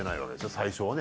最初はね。